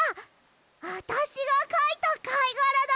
あたしがかいたかいがらだ！